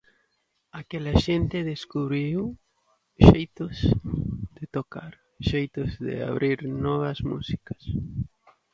Aquela xente descubriu xeitos de tocar, xeitos de abrir novas músicas.